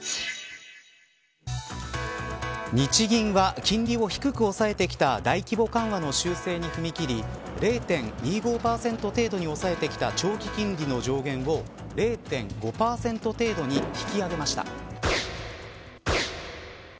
日銀は、金利を低く抑えてきた大規模緩和の修正に踏み切り０．２５％程度に抑えてきた長期金利の上限を０．５％程度に引き上げました。